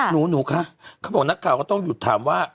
หนูคะเขาบอกนักข่าวก็ต้องหยุดถามว่า